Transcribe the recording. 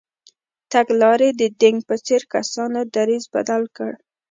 تګلارې د دینګ په څېر کسانو دریځ بدل کړ.